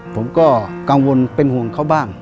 ผมก็กังวลเป็นห่วงเขาบ้าง